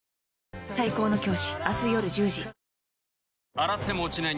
洗っても落ちない